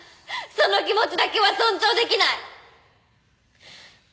その気持ちだけは尊重できない！